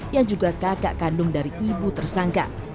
yang juga kakak kandung dari ibu tersangka